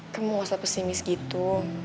kamu gak usah pesimis gitu